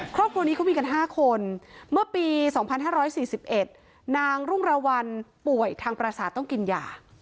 ครอบครัวนี้เขามีกัน๕คนเมื่อปี๒๕๔๑นางรุ่งราวัลป่วยทางประสาทต้องกินยา